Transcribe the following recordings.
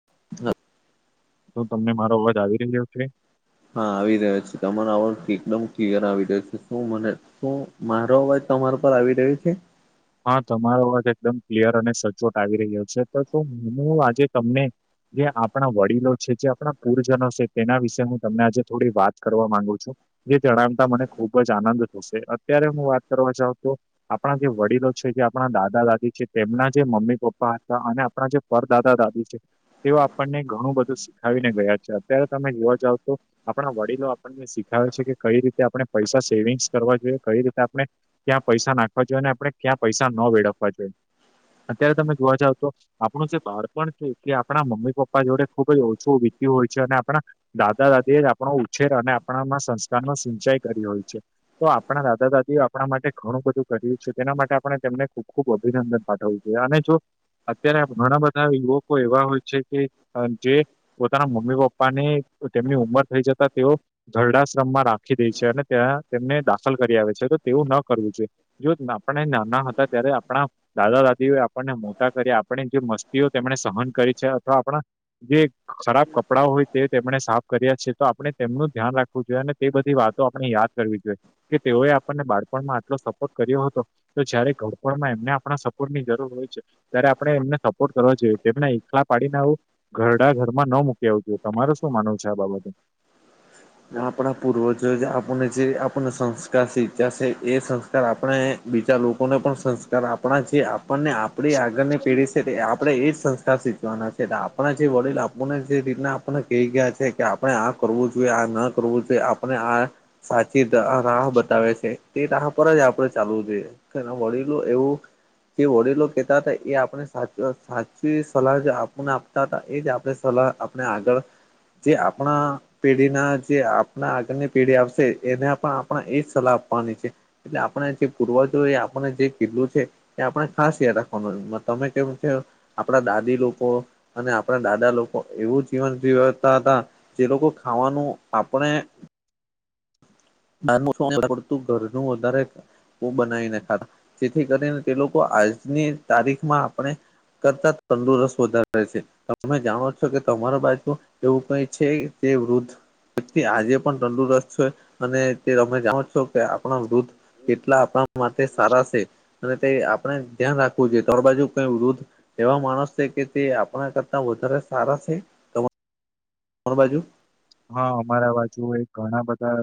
[inaudible] શું તમને મારો અવાજ આવી રહ્યો છે? હા આવી રહ્યો છે. તમારો આવજ એકદમ ક્લિયર આવી રહ્યો છે. શું મને શું મારો અવાજ તમારા પર આવી રહ્યો છે? હા તમારો વાત એકદમ ક્લિયર અને સચોટ આવી રહ્યો છે. તો ત હું આજે તમને જે આપણા વડીલો છે જે આપણા પુરજનો છે. તેના વિશે હું તમને આજે થોડી વાત કરવા માંગુ છું. જે જણાવતા મને ખુબ જ આનંદ થશે. અત્યારે હું વાત કરવા જાઉં તો આપણા જે વડીલો છે જે આપણા દાદા દાદી છે. તેમના જે મમ્મી પપ્પા હતા અને આપણા જે પરદાદા દાદી છે. તેઓ આપણને ઘણું બધું શીખાવીને ગયા છે. અત્યારે તમે જોવા જાવ તો આપણા વડીલો આપણ શીખાયે છે કે કઈ રીતે આપણે પૈસા સેવિંગ્સ કરવા જોઈએ. કઈ રીતે આપણે ક્યાં પૈસા નાખવા જોઈએ અને આપણે ક્યાં પૈસા ન વેળફવા જોઈએ. અત્યારે તમે જોવા જાવ તો આપણું જે બાળપણ છે તે આપણા મમ્મી પપ્પા જોડે ખુબ જ ઓછું વીત્યું હોય છે અને આપણા દાદા દાદી એ જ આપણો ઉછેર અને આપણામાં સંસ્કારનો સિંચાઈ કરી હોય છે. તો આપણા દાદા દાદીઓ આપણા માટે ઘણું બધું કર્યું છે. તેના માટે આપણે તેમને ખુબ ખુબ અભિનંદન પાઠવવું [inaudible] અને જો અત્યારે ઘણા બધા યુવકો એવા હોય છે કે જે પોતાના મમ્મી પપ્પા ને તેમની ઉંમર થઈ જતા તેઓ ઘરડાશ્રમમાં રાખી દે છે અને ત્યાં તેમને દાખલ કરી આવે છે તો તેવું ન કરવું જોઈએ. જો આપણે નાના હતા ત્યારે આપણા દાદા દાદીઓ આપણને મોટા કરી આપણે જે મસ્તીઓ તેમણે સહન કરી છે અથવા આપણા જે ખરાબ કપડા હોય તે તેમણે સાફ કર્યા છે. તો આપણે તેમનું ધ્યાન રાખ જોઈ અને તે બધી વાતો આપણે યાદ કરવી જોઈએ કે તેઓએ આપણને બાળપણમાં આટલો સપોર્ટ કર્યો હતો. તો જયારે ઘરપનમાં એમને આપણા સપોર્ટની જરૂર હોય છે. ત્યારે આપણે એમને સપોર્ટ કરવો જોઈએ. તેમને એકલા પાડીને આવું ઘરડા ઘર માં ન મૂકી આવું જોઈએ તમારુ શું માનવું છે આ બાબતે? આપડા પૂર્વજો જે આપણને જે આપણને સંસ્કાર શચ્યા છે એ સંસ્કાર આપણે બીજા લોકોને પણ સંસ્કાર આપણા જે આપણને આપ આપણી આગળની પીઢી છે, તે આપણે એ જ સંસ્કાર શીખવાના છે એટલે આપણા જે વડીલ આપણને જે રીતના આપને કહી ગયા છે કે આપડે આ કરવું જોએ આ ન કરવું તો આપણે આ સાચી રાહ બતાવે છે. તે રાહ પર જ આપડે ચાલવુ જોઈએ. ધણા વડીલો એવું જે વડીલો કહેતા હતા એ આપણે સાચ સાચી સલાહ જે આપના એ જ આપણે સલાહ આપણે આગળ જે આપણા પેઢીના જે આપણા આગળની પેઢી આવશે એને પણ આપણે એજ સલાહ આપવાની છે. એટલે આપણે જે પૂરવાજોએ આપણને જે કિધલુઇ છે. કે આપણે ખાસ યાદ રાખવાનું તમે કેમ કે આપડા દાદી લોકો અને આપણા દાદા લોકો એવું જીવન જીવતા હતા. જે લોકો ખાવાનું આપણે [unintelligible] ઘરનું વધારે બો બનાવીને ખાતા જેથી કરીને તે લોકો આજની તારીખમાં આપણે કરતા તંદુરસ્ત વધારે રહે છે. તમે જાણો છો કે તમારા બાજુ એવું કઈ છે જે વૃદ્ધ વ્યક્તિ આજે પણ તંદુરસ્ત છે અને તે તમે જાણો છો કે આપણા વૃદ્ધ કેટલા આપણા માટે સારા છે અને તે આપણે ધ્યાન રાખવું જોઈ તોણ બાજુ કઈ વૃદ્ધ એવા માણસ છે કે તે આપણા કરતા વધારે સારા છે કોણ બાજુ હા અમારા બાજુ ઘણા બધા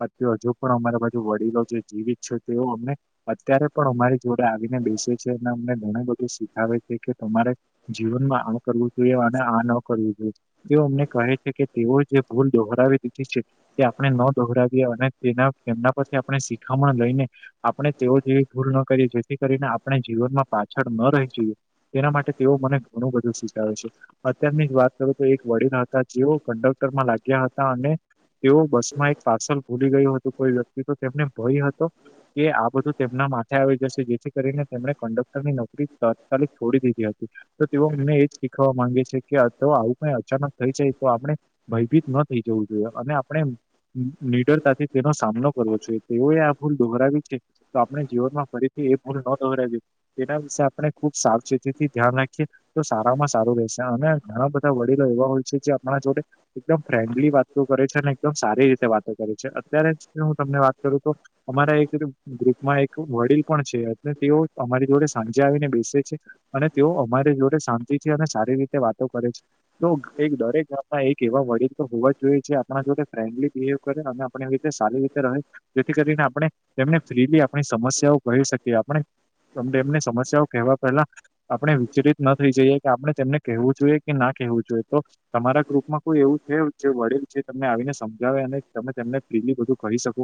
બાકી હજુ પણ અમારા બાજુ વડીલો જે જીવિત છે તેઓ અમને અત્યારે પણ અમારી જોડે આવીને બેસે છે અને અમને ઘણા બધું શીખાવે છે કે તમારે જીવનમાં આ કરવું જોઈએ અને આ ન કરવું જોઈએ તે અમને કહે છે કે એવ જે ભૂલ દોહરાવી દીધી છે તે આપણે ન દોહરાવીએ અને તેના તેમના પરથી આપણે શિખામણ લઈને આપણે તેઓ જેવી ભૂલ ન કરીએ જેથી કરીને આપણે જીવનમાં પાછળ ન રહી જઈએ તેના માટે તેઓ મને ઘણું બધું શીખવેે છે અત્યારની જ વાત કરું તો એક વડીલ હતા જેઓ ગંડોતર માં લાગ્યા હતા અને તેઓ બસ માં એક પાર્સલ ભૂલી ગયું હતું કોઈ વ્યક્તિ તો તેમને ભય હતો કે આ બધું તેમના માથે આવી જશે જેથી કરીને તેમણે કન્ડક્ટર ની નોકરી તાત્કાલિક છોડી દીધી હતી તો તેઓ મમને એજ શીખવા માંગે છે કે તો આવું કઈ અચાનક થઈ જાય તો આપણે ભયભીત ન થઈ જવું જોઈએ અને આપણે નિડરતાથી તેનો સામનો કરવો જોઈએ તેઓએ આ ભૂલ દોહરાવી છે તો આપણે જીવન માં ફરીથી એ ભૂલ ન દોરા તેના વિશે આપણે ખુબ સાવચેતીથી ધ્યાન રાખીએ તો સારામાં સારું રહેશે અને ઘણા બધા વડીલો એવા હોય છે જે આપણા જોડે એકદમ ફ્રેન્ડલી વાતો કરે છે અને એકદમ સારી રીતે વાતો કરે છે અત્યારે હું તમને વાત કરું તો અમારા એક ગ્રુપમાં એક વડીલ પણ છે અને તેઓ અમારી જોડે સાંજે આવીને બેસે છે અને તેઓ અમારી જોડે શાંતિ છે અને સારી રીતે વાતો કરે છે તો એક દરેક ગામમાં એક કેવા વડીલ તો હોવા જ જોઈએ આપણા જોડે ફ્રેન્ડલી બિવ કરે અને આપ રીતે સારી રીતે રહે જેથી કરીને આપણે એને ફ્રીલી આપણી સમસ્યાઓ કહી શકીએ આપણે તમ એમને સમસ્યાઓ કેહેવા પહેલા આપણે વિચરિત ના થઈ જઈએ કે આપણે તેમને કેવું જોઈએ કે ના કેહેવું જોઈએ તો તમારા ગ્રુપ કોઈ એવું છે જે વડીલ છે તમને આવીને સમજાવે અને તમેને ફ્રીલી બધું કહી શકો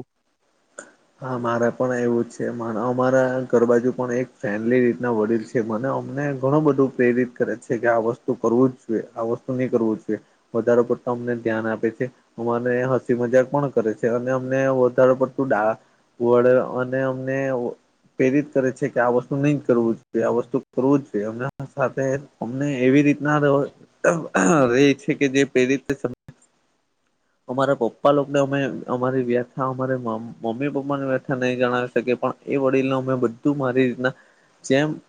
હા મારા પણ એવું જ છે અમારા ઘર બાાજુ પણ એક ફેમલી રીતના વડીલ છે મને અમને ઘણું બધું પ્રેરિત કરે છે કે આ વસ્તુ કરવું જ જોઈએ આ વસ્તુ નહી કરવું જોઈએ વધારે પડતા અમને ધ્યાન આપે છે અને હસી મજાક પણ કરે છે અને અમને વધાર પડતું વડે અને અમને પ્રેરિત કરે છે કે આ વસ્તુ નહી કરવું જોઈએ આ વસ્તુ કરવું જ જોઈએ એમ સાથે અમને એવી રીતના રે છે કે જે પ્રેરિત સમ અમારા પપ્પા લોકોને અમે અમારી વ્યાખ્યા અમા મમ્મી પપ્પા ઠા નહી જણાવી શકે પણ એ વડીલ અમે બધું મારી રીતના જેમ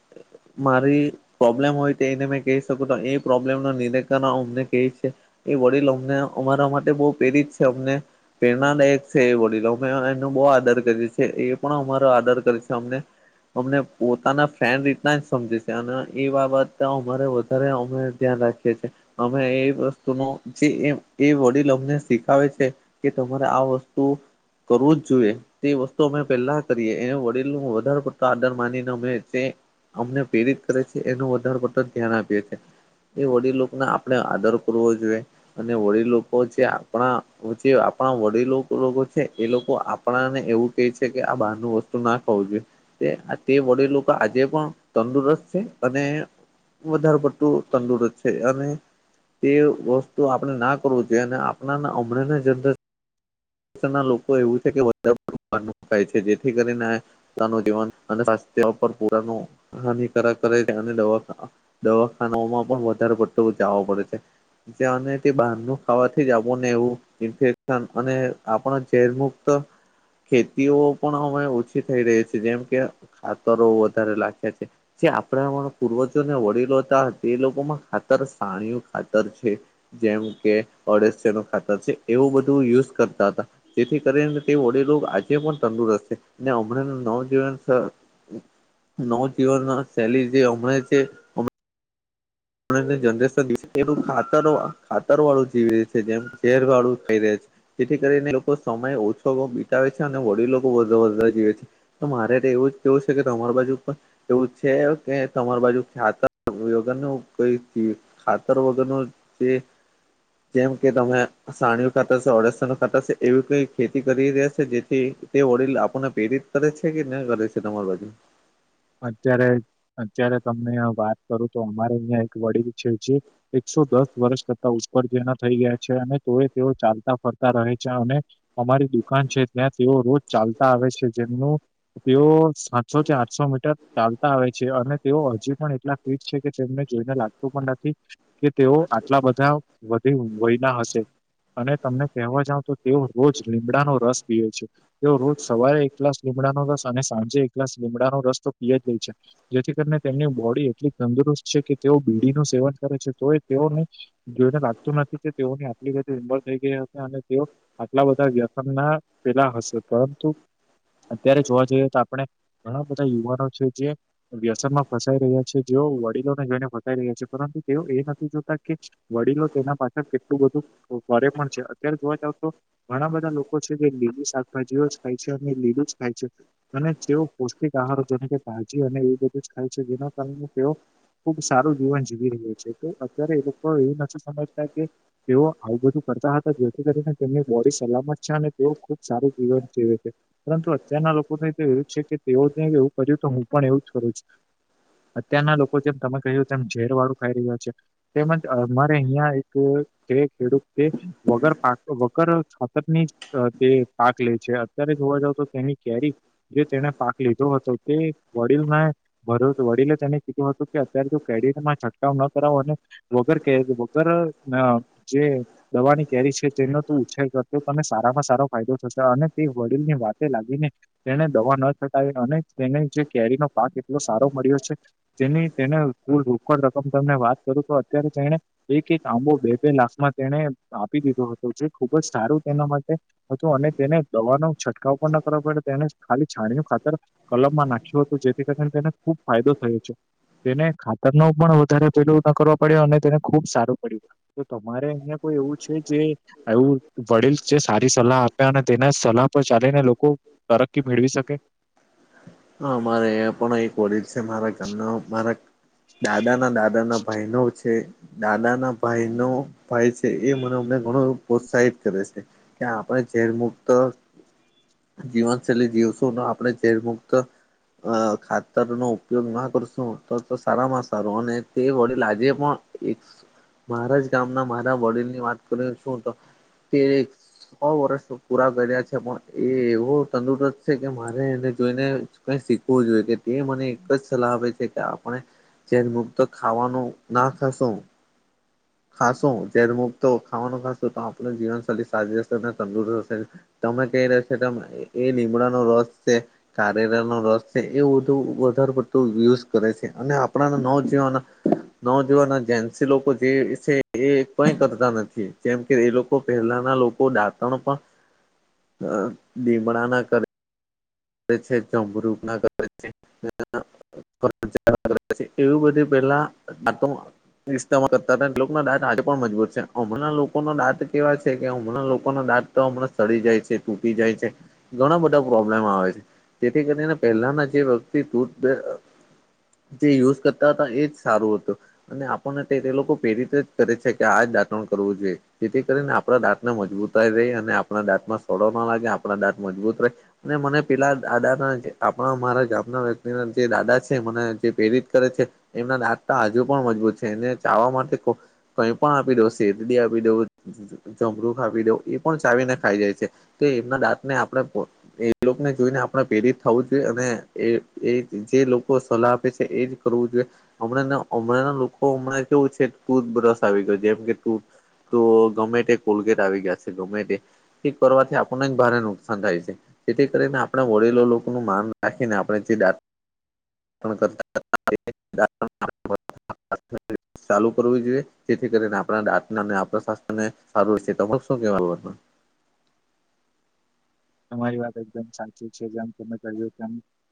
મારી પ્રોબ્લેમ હોય તો એને મેં કહી શકું તો એ પ્રોબ્લેમ ન નિરીકરણ અમને કહી છે એ વડીલ અમને અમારા માટે બહ પ્રેરિત છે અમને પેડના દ એક છેે બોલી લો મે એનું બહ ડ છે એ પણ અમારો આર્ડર કર છે અ અમને પોતાના ફ્રેન્ડ રીતના જ સમજે છે અને એ બાબતે અમારે વધારે અમે ધ્યાન રાખીએ છીએ અમે એ વસ્તુ ન જે એ વડીલ અમને શીખાવે છે કે તમારે આ વસ્તુ કરવું જ જોઈએ તે વસ્તુ પેલા કરીએ એ વડીલ ન વધારે પડતો આદર માનીને મે અમને પ્રેરિત કરે છે એનું વધારે પડતા ધ્યાન આપી છે એ વડીલોને આપણે આદર કરવો જોઈએ અને વડીલલો જે આપણા જે આપણા વડીલો લોકો છે એ લોકો આપણાને એવું કે છે કે આ બહારનુંું વસ્તુ ના ખાવું જોઈએ તે વડે લોકો આજે પણ તંદુરસ્ત છે અને વધારે પડતું તંદુરત છે અને તે વસ્તુ આપણે ના કરવું જોઈએ અને આપણા હમણા જંદર લોકો એવું છે કેકાય છે જેથી કરીને તાનું જીવન અને સ્વાસ્થ્ય પર પુરાનું હાનિકારક કરે છે દવા દવાખાનાઓમાં પણ વધારે પટતોું જવાો પડે છે. ત તે બહારનું ખાવાથી જ આવો ને એવું ઇન્ફેક્શન અને આપણા ઝેર મુુક્ત ખેતીઓ પણ અમે ઓછી થઈ રહી છીએ જેમ કે ખાતરો વધારે લખ્યા છે. જે આપણા પૂર્વજોને વડીલો હતા તે લોકોમાં ખાતર સાણીઓ ખાતર છે. જેમ કે ઓડશ ન ખાતર છે એવું બધું યુઝ કર હતા જેથી કરીને તે વડેલો આજે પણ તંદુરસ્ત છે. ને હમણાં નવજીવન નવ જવન શૈલી જે હમણાં જરેશન એલું ખાતર ખાતર વાળું જીવી ર છે જેમ ઝેર વાળું કઈ ર છે. જેથી કરીને લોકો સમય ઓછો બિતાવે છે અને વડીલો વધ વધ જીવે છે. તો મારે એવું જ કેવું છે કે તમાર બાજુ પણ એવું છે કે તમાર બાજુ ખ્યાત વગરનું કઈ ખાતર વગરનું જે જેમ કે તમે સાણીું ખાતા છે અડસા ન ખાતા છે એવી કઈ ખેતી કરી રહ્યા છે જેથી તે વડીલ આપણને પ્રેરિત કરે છે કે ન કરે છે તમારી બાજુ અત્યારે અત્યારે તમને વાત કરું તો અમારે અહં એક વડીલ છે જ એકસો દસ વર્ષ કરતા ઉપર જેના થઈ ગયા છે અને તોય તેઓ ચાલતા ફરતા રહે છે અને અમારી દુકાન છે ત્યાં તેઓ રોજ ચાલતા આવે છે જેમનું તેઓ સાતસો છે આઠસો ચાલતા આવે છે અને તેઓ હજી પણ એટલા ફટ છે કે તેમને જોઈને લાગતું પણ નથી. કે તેઓ આટલા બધા વધી વયના હશે. અને તમને કહેવા જાવ તો તેઓ રોજ લીમડાનો રસ પીવે છે. તેઓ રોજ સવારે એકલાસ લીમડાનો રસ અને સાંજે એકલાસ લીમડાનો રસ તો પીય જ ગઈ છે. જેથી કરીને તેમની બોડી એટલી તંદુરસ્ત છે કે તેઓ બીડીનું સેવન કરે છે તો એ તેઓને જોઈને લાગતું નથી કે તેઓની એલીિક થઈ ગયા હતી અને તેઓ. આટલા બધા વ્યાખનના પેલા હશે પરંતુ અત્યારે જોવા જઈએ તો આપણે ઘણા બધા યુવાનો છે જે વ્યસન માં ફસાઈ રહ્યા છે જેઓ વડીલોને જઈને ફસાઈ રહ્યા છે પરંતુ તેઓ એ નથી જોતા કે વડીલો તેના પાછળ કેટલું બધું ઘરે પણ છે અત્યારે જોવા જાવ તો. ઘણા બધા લોકો છે જે લીલી શાકભાજીઓ જ ખાય છે અને લીલું જ ખાય છે. અને તેઓ પૌષ્ટિક આહારો જેને કે તાજી અને એ બધું જ ખાય છે જેના કારણે તેઓ ખુબ સારું જીવન જીવી રહ્યું છે કે અત્યારે એ લોકો એવું નથી સમજતા કે તેઓ આવું બધું કરતા હતા જેથી કરીને તેમની બોડી સલામત છે અને તેઓ ખુબ સારું જીવન જીવે છે. પરંતુ અત્યારના લોકોને તો એવું છે કે તેઓને એવું કર્યું તો હું પણ એવું જ કરું છ. અત્યારના લોકો જેમ તમે કહ્યું તેમમ ઝેર વાળું ખાઈ રહ્યું છે. તેમજ અમારે અહિયાં એક તે ખેડૂત તે વગર પા વગર ખાતરની તે પાક લે છે અત્યારે જોવા જાવ તો તેની કેરી જે તેને પાક લીધો હતો તે વડીલને ભરૂચ વડીલે તેને કીધું હતું કે અત્યારે જો ક્રેડિટમાં છંટકાવ ન કરાવોને વગર કે વગર જે દવાની કેરી છે જેનો ત ઉછર કરતો તને સારામાં સારો ફાયદો થશે અને તે વડીલની વાતે લાગીને તેને દવા ન છટાવી અને તેને જે કેરીનો પાક એટલો સારો મળ્યો છે. જેની તેનેૂ રોકડ રકમ તમને વાત કરું તો અત્યારે જેને એક એક આંબો બે બે લાખમાં તેને આપી દીધો હતો જે ખુબ જ સારું તેના માટે હતું અને તેને દવાનો છંટકાવ પણ ના કરવા પડે તેને ખાલી છાણીઓ ખાતર કલમમાં નાખી હતો જેથી કારણે તે ખૂબ ફાયદો થયો છે તેને ખાતર ન પણ વધારે પેલું ન કરવા પડ્યો અને તેને ખુબ સારું પડ્યું તો તમારે અહિયાં કોઈ એવું છે જે એવુ વડીલ જે સારી સલાહ આપ્યા અને તેના સલાહ પર ચાલીને લોકો તરક્કી મેળવી શકે હા મારે એ પણ અ વડીલ છે મારા ઘરના મારા દાદા ના દાદા ના ભાઈનો છે દાદા ના ભાઈ નો ભાઈ છે એ મને અમને ઘણો પ્રોત્સાહિત કરે છે કે આપણે ઝેર મુુક્ત જીવનશૈલી જીવશું ન આપણે ઝેર મુક્ત ક ક અ ખાતરનો ઉપયોગ ના કરશું તો તો સારામાં સારો અને તે વડીલ આજે પણ મારા જ ગામના મારા બોડની વાત કરી શું તો સો વર્ષ પૂરા કર્યા છે પણ એ એવો તંદુરસ્ત છે કે મારે એને જોઈને કઈ શીખવું જોઈએ કે તે મને એક જ સલાહ આપે છે કે આ અને [unintelligible] મુક્તો ખાવાનું ના ખાશો ખાશું જેર મુક્તો ખાવાનું ખાશું તો આપણ જીવનશૈલી સાારી રહેશે ને તંદુરત રહેશે તમે કઈ રશે એ લીમડાનો રસ છે નિમડા નો રસ છે એ વધારે પડતુ યુઝ કરે છે અને આપણા નવ જવાના નવજવાન ના જેન્સી લોકો જે છે એ કઈ કરતા નથી જેમ કે એ લોકો પહેલાના લોકો તો દાતણ પણ [inaudible] હ લીમડા ના કર કરે છે જમરૂખ ના કરે છે એવી બધી પેલા તો રસ્તા કરતા હતા લોકોના દાંત આજે પણ મજબૂત છે હમણાં લોકોનો દાંત કેવા છે કે અમણાં લોકોનો દાંત હમણાં સડી જાય છે તૂટી જાય છે ઘણા બધા પ્રોબ્લેમ આવે છે તેથી કરીને પહેલાના જે વ્યક્તિ તુ જે યુઝ કરતા હતા એજ સારું હતું અને આપણ એ લોકો પ્રેરિત જ કરે છે કે આ જ દાંતણ કરવું જોઈએ જેથી કરીને આપણા દાંતને મજબૂતાઈ રહી અને આપણા દાંતમાં સડો ના લાગે આપણા દાંત મજબૂત રહે અને મને પેલા દાદા ના આપણા મારા ગામના વ્યક્તિના જે દાદા છે મને જે પ્રેરિત કરે છે એમના દાતા હજુ પણ મજબૂત છે એને ચાવા માટે કઈ પણ આપી દો શેરડી આપી દો જમરુખ ખાપી દવ એ પણ ચાવીને ખાઈ જાય છે તો એમના દાંતને આપડણે એ લોગ ને જોઈને આપણે પ્રેરિત થવું જોઈએ અને એ એ જે લોકો સલાહ આપે છે એજ કરવું જોઈએ હમણાં હમણાંના લોકો હમણાં કેવું છે ટૂધ બ્રશ આવી ગયો જેમ કે ટૂધ તો ગમે તે કોલગેટ આવી ગયા છે ગમે તે કરવાથી આપણને ભારે નુકસાન થાય છે જેથી કરીને આપણે વરેેલો લોકોનું માન રાખીને આપણે જે દા ચાલુ કરવુ જોઈએ જેથી કરીને આપણા દાંત ને અને આપણા સ્વસ્થ ને સારું રે છે તમારે શુ કેવું તમારી વાત એકદમ સાચી છે જેમ તમે કર્યું તેમ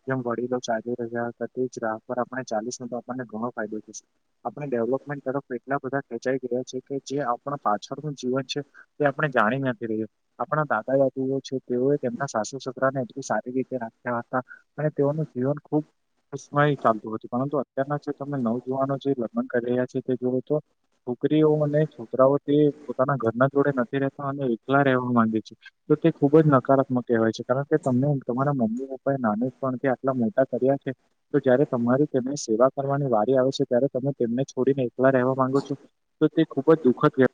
જેમ વડીલો ચા રહ્યા હતા તે જ રાહ પર આપણે ચાશું તો આપણને ઘણો ફાયદો થશે આપણે ડેવલપમેન્ટ તરફ એટલા બધા ખેંચાઈ ગયા છે કે જે આપણા પાછળનું જીવન છે તે આપણે જાણી નથી રહ્યું આપણા દાદા દાદીઓ છે તેઓએ તેમના સાસુ સસરાને એટલી સારી રીતે રાખ્યા હતા અને તેઓનું જીવન ખૂબ ય ચાલતું હતું પરંતુ અત્યારના જે તમે નવ જુવાનો જે લગ્ન કરી રહ્યા છે તે જુઓ તો છોકરીઓ અને છોકરાઓ તે પોતાના ઘરના જોડે નથી રહેતા અને એકલા રહેવા માંગે છે તો તે ખૂબ જ ન હકારાત્મક કહેવાય છે કારણ કે તમને તમારા મમ્મી પપ્પા એ નાને પણથી આટલા મદા કર્યા છે તો જયારે તમારી તેમની સેવા કરવાની વારી આવેશે, ત્યારે તમે તેમને છોડીને એકલા રહેવા માંગો છો. તો તે ખૂબ જ દુઃખદ.